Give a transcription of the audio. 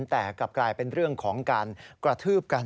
แต่กลับกลายเป็นเรื่องของการกระทืบกัน